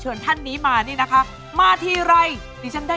จำคาถาไม่ได้